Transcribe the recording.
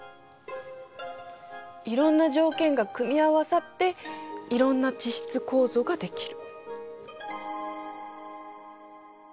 いろんな条件が組み合わさっていろんな地質構造ができる。